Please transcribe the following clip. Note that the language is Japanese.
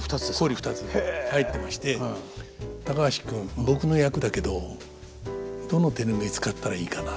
入ってまして「高橋君僕の役だけどどの手拭い使ったらいいかな」